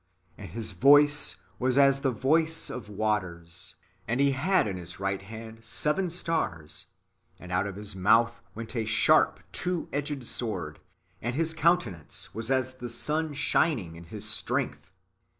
And His voice [was] as the voice of waters ; and He had in His right hand seven stars ; and out of His mouth went a sharp two edged sword; and His countenance was as the sun shining in his strength."